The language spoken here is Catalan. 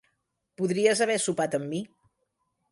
Podries haver sopat amb mi.